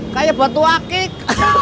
kayak batu akik